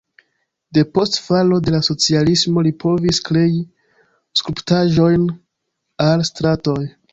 Depost falo de la socialismo li povis krei skulptaĵojn al stratoj.